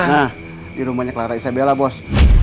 nah di rumahnya clara isabella bos